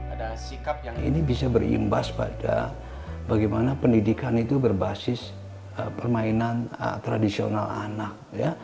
ada sikap yang ini bisa berimbas pada bagaimana pendidikan itu berbasis permainan tradisional anak